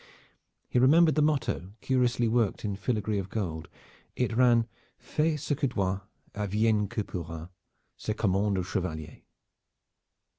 He remembered the motto curiously worked in filigree of gold. It ran: "Fais ce que dois, adviegne que pourra c'est commande au chevalier."